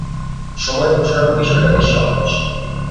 সময় প্রসারণ বিষয়টা বেশ সহজ।